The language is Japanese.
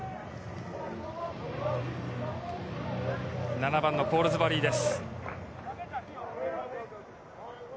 ７番のコールズバリーです。